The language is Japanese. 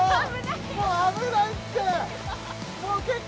もう危ないって！